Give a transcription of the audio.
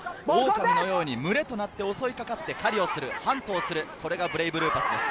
狼のように群れとなって襲い掛かって狩りをする、ハントをする、これがブレイブルーパスです。